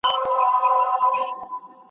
په پردي کور کي نه وي منلي .